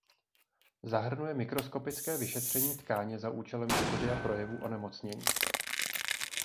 Zahrnuje mikroskopické vyšetření tkáně za účelem studia projevů onemocnění.